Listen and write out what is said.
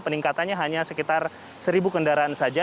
peningkatannya hanya sekitar satu kendaraan saja